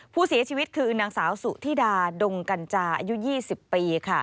ผู้เสียชีวิตคือนางสาวสุธิดาดงกัญจาอายุ๒๐ปีค่ะ